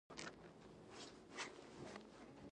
آیا شرکتونه باید ځمکه بیرته جوړه نکړي؟